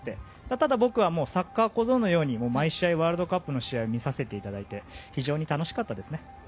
ただ僕はサッカー小僧のように毎試合、ワールドカップの試合を見させていただいて非常に楽しかったですね。